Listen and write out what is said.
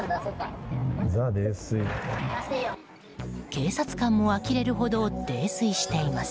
警察官もあきれるほど泥酔しています。